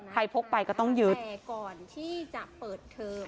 ใครพกไปก็จะต้องหยืด